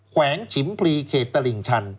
แขวงฉิมพลีเขตตลิ่งชัน